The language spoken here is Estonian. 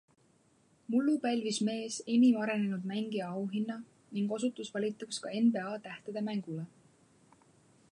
Mullu pälvis mees enim arenenud mängija auhinna ning osutus valituks ka NBA tähtede mängule.